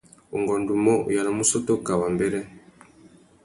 Ungôndômô, u yānamú ussôtô kā wambêrê.